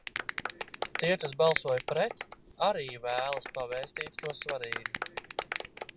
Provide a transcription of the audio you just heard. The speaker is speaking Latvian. "Tie, kas balsoja "pret", arī vēlas pavēstīt ko svarīgu."